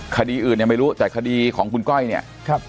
คดีอื่นยังไม่รู้แต่คดีของคุณก้อยเนี่ยครับ